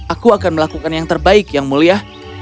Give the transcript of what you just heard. aku akan melakukan yang terbaik yang mulia